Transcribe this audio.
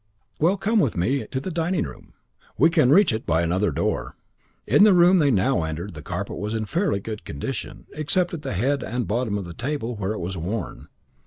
"Well come with me to the dining room. We can reach it by another door." In the room they now entered the carpet was in fairly good condition, except at the head and bottom of the table, where it was worn.